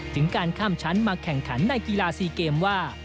ถึงการข้ามชั้นมาแข่งขันในกีฬา๔เกมว่า